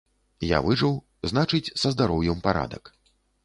Я выжыў, значыць, са здароўем парадак.